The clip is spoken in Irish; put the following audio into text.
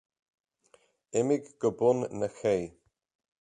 Imigh go bun na cé.